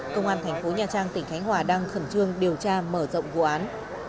công an thành phố nha trang tỉnh khánh hòa đang khẩn trương điều tra mở rộng vụ án